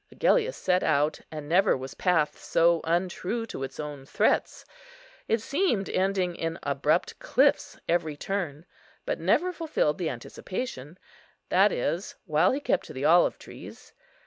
Agellius set out, and never was path so untrue to its own threats. It seemed ending in abrupt cliffs every turn, but never fulfilled the anticipation; that is, while he kept to the olive trees.